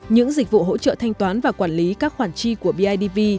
những dịch vụ hỗ trợ thanh toán và quản lý các khoản chi của bidv